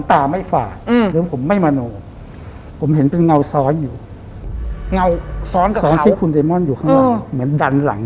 ชี้มาที่เราหรอ